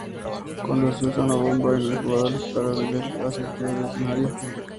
Cuando se usa una bomba, el jugador dispara misiles hacia el jefe de escenario.